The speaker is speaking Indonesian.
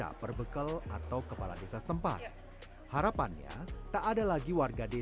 ajal tak dapat diduga